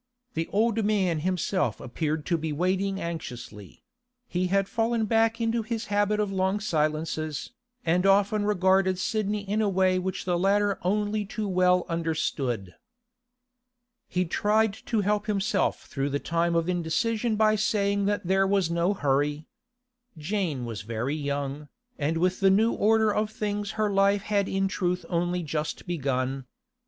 The old man himself appeared to be waiting anxiously; he had fallen back into his habit of long silences, and often regarded Sidney in a way which the latter only too well understood. He tried to help himself through the time of indecision by saying that there was no hurry. Jane was very young, and with the new order of things her life had in truth only just begun.